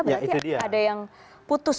berarti ada yang putus